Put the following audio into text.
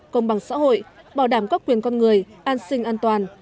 công bằng xã hội bảo đảm các quyền con người an sinh an toàn